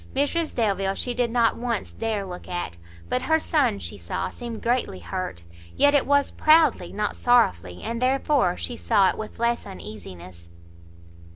Mrs Delvile she did not once dare look at; but her son, she saw, seemed greatly hurt; yet it was proudly, not sorrowfully, and therefore she saw it with less uneasiness.